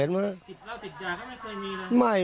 ติดเหล้าติดยาก็ไม่เคยมีเลย